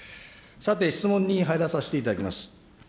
さて質問に入らさせていただきます。